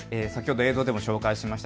映像でも紹介しました。